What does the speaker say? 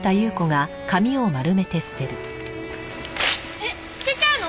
えっ捨てちゃうの？